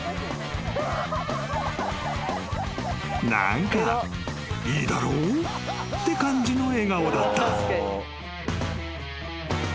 ［何か「いいだろう？」って感じの笑顔だった］